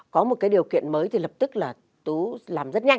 có một cái điều kiện mới thì lập tức là tú làm rất nhanh